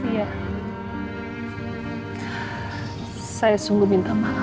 ya ia juga lebih lebih dari itu